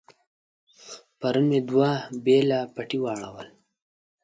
پرون مې دوه بېله پټي واړول.